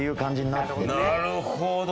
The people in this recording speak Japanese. なるほど。